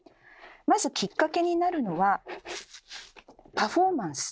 まずきっかけになるのは「パフォーマンス」。